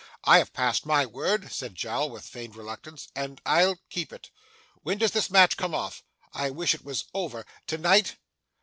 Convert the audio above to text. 'I have passed my word,' said Jowl with feigned reluctance, 'and I'll keep it. When does this match come off? I wish it was over. To night?